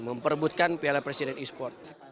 memperebutkan piala presiden e sport